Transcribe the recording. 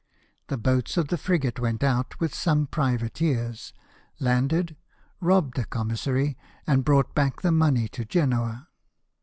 The boats of the frigate went out with some privateers, landed, robbed the commissary, and brought back the money to Genoa.